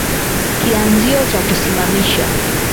Kianzilio cha kusimamisha